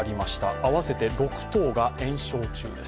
合わせて６棟が延焼中です。